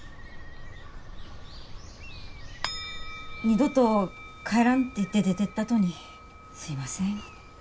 二度と帰らんって言って出てったとにすいません。